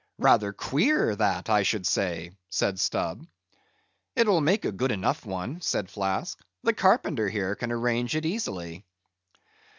"Rather queer, that, I should say," said Stubb. "It will make a good enough one," said Flask, "the carpenter here can arrange it easily."